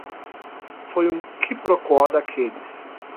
Foi um quiproquó daqueles!